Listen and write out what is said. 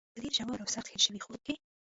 په ډېر ژور او سخت هېر شوي خوب کې.